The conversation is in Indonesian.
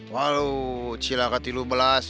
walu sila katilu belas